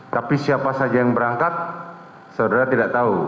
tapi siapa saja yang berangkat saudara tidak tahu